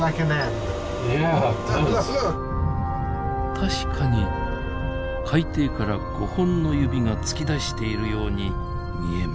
確かに海底から５本の指が突き出しているように見えますねえ。